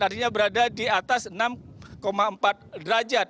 artinya berada di atas enam empat derajat